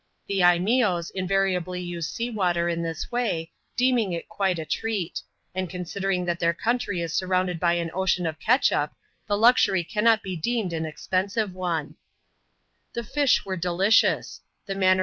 The Lneeose invariably use sea water in this way, deeming it quite a treat ; and considering that their country is surrounded by an ocean of catsup, the luxury cannot be deemed an ex^ervsiv^ qxv^* The £sb were delicious ; the mannex o?